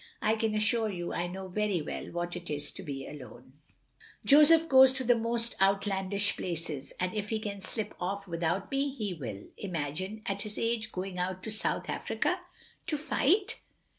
" I can assure you I know very well what it is to be alone. i8o THE LONELY LADY Joseph goes to the most outlandish places, and if he can slip off without me, he will. Imagine, at his age, going out to South Africa. " "To fight!"